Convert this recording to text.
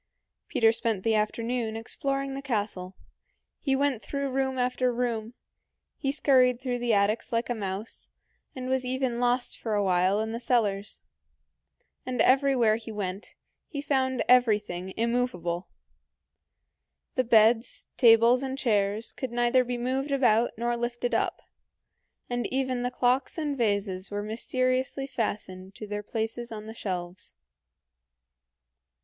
Peter spent the afternoon exploring the castle. He went through room after room; he scurried through the attics like a mouse, and was even lost for a while in the cellars. And everywhere he went, he found everything immovable. The beds, tables, and chairs could neither be moved about nor lifted up, and even the clocks and vases were mysteriously fastened to their places on the shelves.